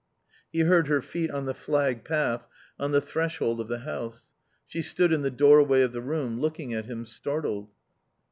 He heard her feet on the flagged path, on the threshold of the house; she stood in the doorway of the room, looking at him, startled.